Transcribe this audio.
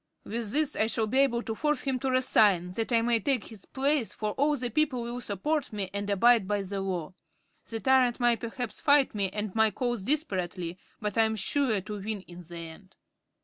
With this I shall be able to force him to resign, that I may take his place, for all the people will support me and abide by the Law. The tyrant will perhaps fight me and my cause desperately, but I am sure to win in the end."